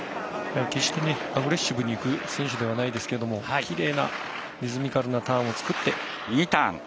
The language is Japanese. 決してアグレッシブに行く選手ではないですけれどもきれいなリズミカルなターンを作って。